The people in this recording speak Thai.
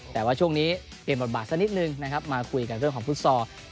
แต่ว่าช่วงนี้เปลี่ยนบทบาทสักนิดนึงนะครับมาคุยกันเรื่องของฟุตซอล